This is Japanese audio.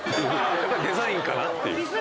やっぱデザインかなっていう。